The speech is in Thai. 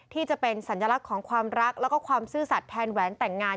ที่จะเป็นสัญลักษณ์ของความรักแล้วก็ความซื่อสัตว์แทนแหวนแต่งงาน